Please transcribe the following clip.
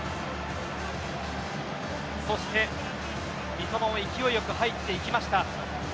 そして三笘も勢いよく入ってきました。